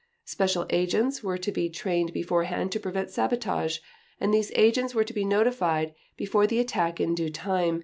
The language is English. Special agents were to be trained beforehand to prevent sabotage, and these agents were to be notified "before the attack in due time